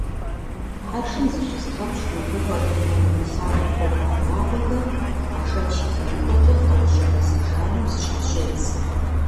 Хьэршым зыщызыгъэпщкIу мыбы хуэдэ нэрымылъагъу пкъыгъуэ абрагъуэхэр, къашэч и лъэныкъуэкIэ, лIэужьыгъуэ зыбжанэу зэщхьэщедз.